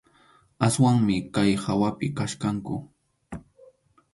Aswanmi kay hawapi kachkanku.